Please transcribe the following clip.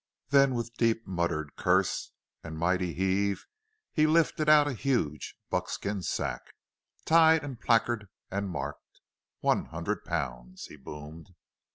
Then with deep muttered curse and mighty heave he lifted out a huge buckskin sack, tied and placarded and marked. "ONE HUNDRED POUNDS!" he boomed.